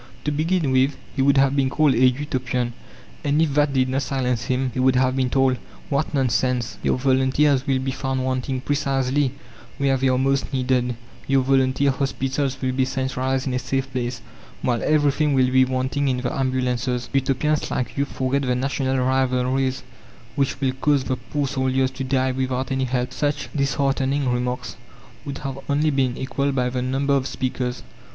To begin with, he would have been called a Utopian, and if that did not silence him he would have been told: "What nonsense! Your volunteers will be found wanting precisely where they are most needed, your volunteer hospitals will be centralized in a safe place, while everything will be wanting in the ambulances. Utopians like you forget the national rivalries which will cause the poor soldiers to die without any help." Such disheartening remarks would have only been equalled by the number of speakers.